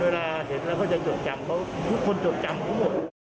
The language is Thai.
เพราะว่ามันทำอะไรในสิ่งที่คาดไม่ถือ